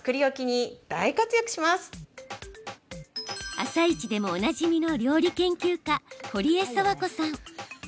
「あさイチ」でもおなじみの料理研究家、ほりえさわこさん。